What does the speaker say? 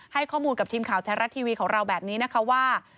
ให้ข้อมูลกับทีมข่าวแท้รัฐทีวีของเราแบบนี้นะคะว่า